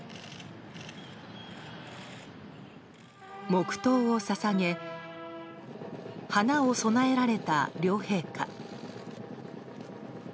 黙祷を捧げ花を供えられた両陛下。